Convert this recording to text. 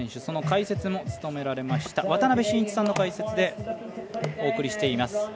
その解説も務められました渡辺伸一さんの解説でお届けしています。